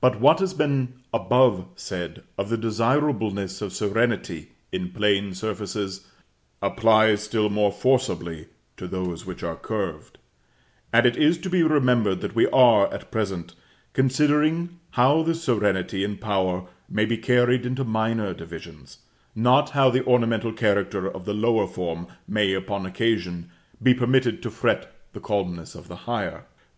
But what has been above said of the desireableness of serenity in plane surfaces, applies still more forcibly to those which are curved; and it is to be remembered that we are, at present, considering how this serenity and power may be carried into minor divisions, not how the ornamental character of the lower form may, upon occasion, be permitted to fret the calmness of the higher.